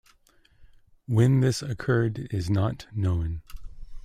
When this occurred is not known.